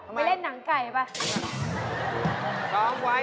ไปเล่นหนังไก่ป่ะ